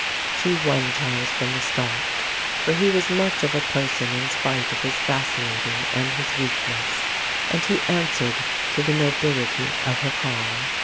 She won Charles from the start, for he was much of a person in spite of his vacillating and his weakness, and he answered to the nobility of her call.